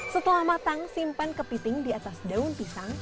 setelah matang simpan kepiting di atas daun pisang